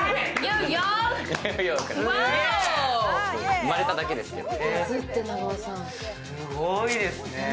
生まれただけですけど。